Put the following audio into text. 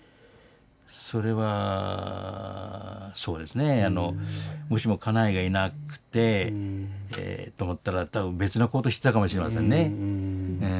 それはそうですねもしも家内がいなくてと思ったら多分別な行動してたかもしれませんね。